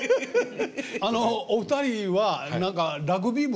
あのお二人は何かラグビー部？